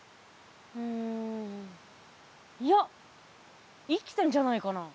うんいや生きてんじゃないかな。